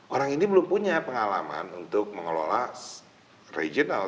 orang ini belum punya pengalaman untuk mengelola regional